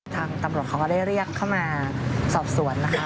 ทางตำรวจเขาก็ได้เรียกเข้ามาสอบสวนนะคะ